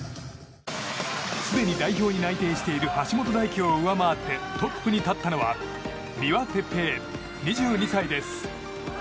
すでに代表に内定している橋本大輝を上回ってトップに立ったのは三輪哲平、２２歳です。